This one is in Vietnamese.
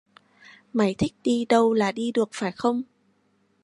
Mày thích đi đâu là đi được phải không